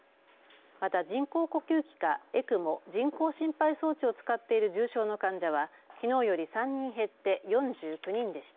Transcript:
また人工呼吸器かＥＣＭＯ・人工心肺装置を使っている重症の患者はきのうより３人減って４９人でした。